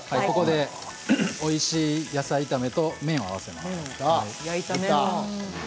ここでおいしい野菜炒めと麺を合わせます。